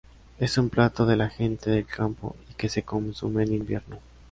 Es un plato de la gente del campo y que se consume en invierno.